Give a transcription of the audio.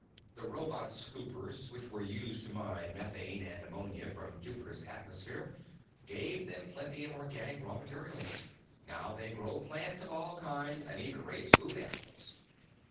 The robot scoopers which are used to mine methane and ammonia from Jupiter's atmosphere gave them plenty of organic raw material. Now they grow plants of all kinds and even raise food animals.